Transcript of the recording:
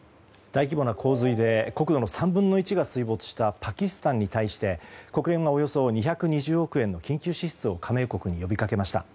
大規模な洪水で国土の３分の１が水没したパキスタンに対して国連はおよそ２２０億円の緊急支出を加盟国に呼びかけました。